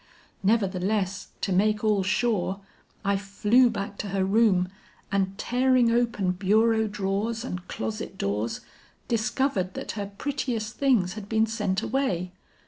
Nevertheless, to make all sure, I flew back to her room, and tearing open bureau drawers and closet doors, discovered that her prettiest things had been sent away.